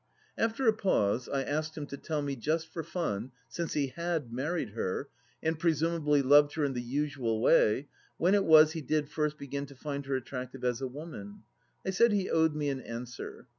After a pause I asked him to tell me, just for fun, since he had married her, and presumably loved her in the usual way, when it was he did first begin to find her attractive as a woman ? I said he owed me an answer.